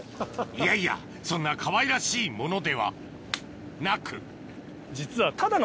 いやいやそんなかわいらしいものではなく実は。